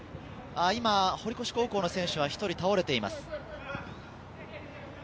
堀越高校の選手が１人倒れています。